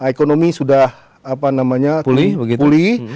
ekonomi sudah apa namanya pulih